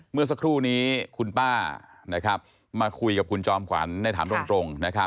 เมื่อสักครู่นี้คุณป้ามาคุยกับคุณจอมขวัญในถามตรง